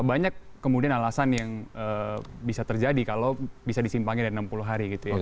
banyak kemudian alasan yang bisa terjadi kalau bisa disimpangin dari enam puluh hari gitu ya